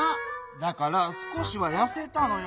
だから「すこしはやせた」のよ。